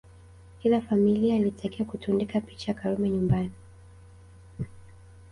Kila familia ilitakiwa kutundika picha ya Karume nyumbani